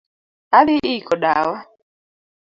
Adhi iko dawa